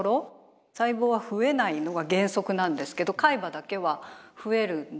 細胞は増えないのが原則なんですけど海馬だけは増えるんですね。